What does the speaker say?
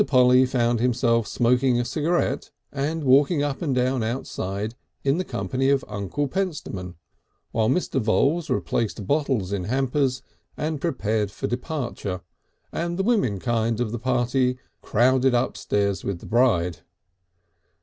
Polly found himself smoking a cigarette and walking up and down outside in the company of Uncle Pentstemon, while Mr. Voules replaced bottles in hampers and prepared for departure, and the womenkind of the party crowded upstairs with the bride.